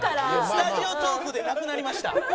スタジオトークでなくなりました。